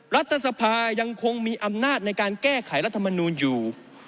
รัฐสภายังคงมีอำนาจในการแก้ไขรัฐมนูลอยู่